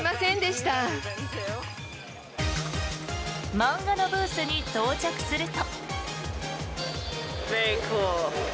漫画のブースに到着すると。